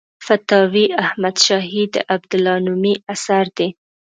فتاوی احمدشاهي د عبدالله نومي اثر دی.